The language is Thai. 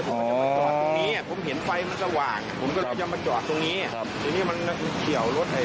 ผมจะมาจอดตรงนี้ผมเห็นไฟมันสว่างผมก็จะมาจอดตรงนี้